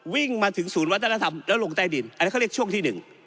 วิ่งมาถึงศูนย์วัฒนธรรมแล้วลงใต้ดินอันนั้นเขาเรียกช่วงที่หนึ่ง